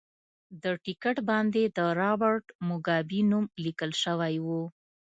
د ټکټ باندې د رابرټ موګابي نوم لیکل شوی و.